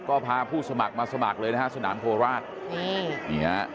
ก็พาผู้สมัครมาสมัครเลยนะฮะสนามโฮระศน์